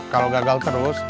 kalau gagal terus